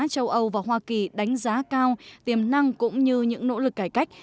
châu âu và hoa kỳ đánh giá cao tiềm năng cũng như những nỗ lực cải cách